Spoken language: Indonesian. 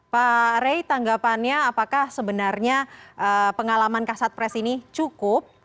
pak rey tanggapannya apakah sebenarnya pengalaman kasat pres ini cukup